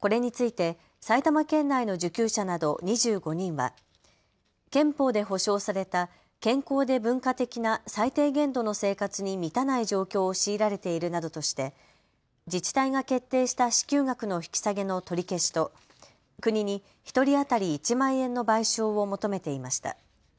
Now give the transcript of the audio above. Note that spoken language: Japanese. これについて埼玉県内の受給者など２５人は憲法で保障された健康で文化的な最低限度の生活に満たない状況を強いられているなどとして自治体が決定した支給額の引き下げの取り消しと国に１人当たり１万円の賠償を求めていました。